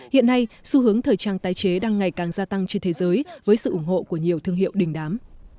hiện nay xu hướng thời trang tái chế đang ngày càng gia tăng trên thế giới với sự ủng hộ của nhiều thương hiệu đình đám